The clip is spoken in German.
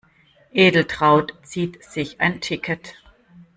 Edeltraud zieht sich ein Ticket.